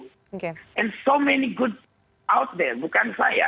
dan banyak yang bagus di luar sana bukan saya